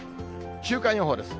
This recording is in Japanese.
週間予報です。